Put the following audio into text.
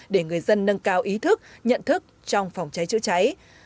để người dân nâng cao ý thức nhận thức trong phòng cháy chữa cháy